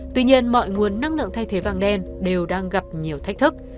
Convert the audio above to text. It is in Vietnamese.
tuy nhiên mọi nguồn năng lượng thay thế vàng đen đều đang gặp nhiều thách thức